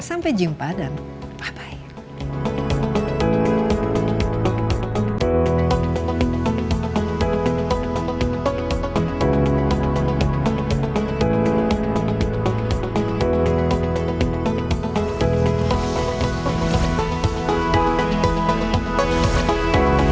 sampai jumpa dan bye bye